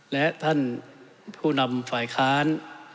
และท่านผู้นำฝ่ายค้าน